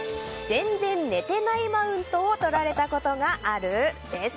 全然寝てないマウントをとられたことがある？です。